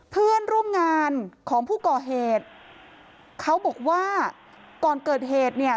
เพื่อนร่วมงานของผู้ก่อเหตุเขาบอกว่าก่อนเกิดเหตุเนี่ย